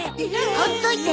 放っといて！